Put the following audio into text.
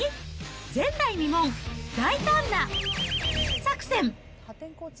前代未聞、大胆な×××作戦！